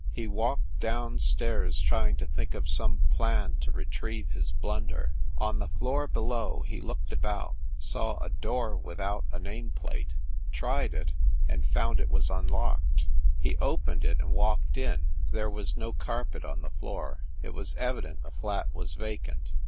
He walked down stairs trying to think of some plan to retrieve his blunder. On the floor below he looked about, saw a door without a nameplate, tried it, and found it was unlocked. He opened it and walked in there was no carpet on the floor. It was evident the flat was vacant.